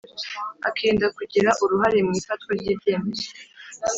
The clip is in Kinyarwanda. akirinda kugira uruhare mu ifatwa ry’ibyemezo.